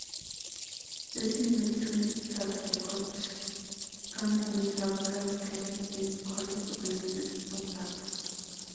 Certain Electronic health record companies help healthcare systems collect, organize, and store data.